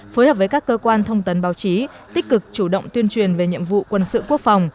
phối hợp với các cơ quan thông tấn báo chí tích cực chủ động tuyên truyền về nhiệm vụ quân sự quốc phòng